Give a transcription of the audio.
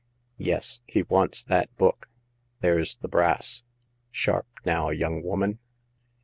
" Yes ; he wants that book. There's the brass. Sharp, now, young woman